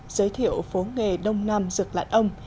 giới thiệu phố nghề đông nam dược lãn ông